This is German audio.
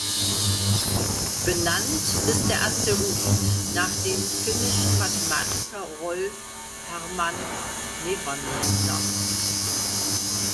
Benannt ist der Asteroid nach dem finnischen Mathematiker Rolf Herman Nevanlinna.